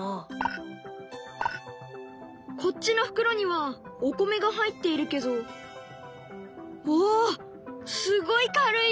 こっちの袋にはお米が入っているけどおおすごい軽いよ！